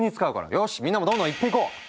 よしみんなもどんどん言っていこう。